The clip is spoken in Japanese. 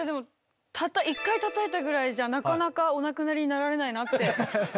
たった一回たたいたぐらいじゃなかなかお亡くなりになられないなって。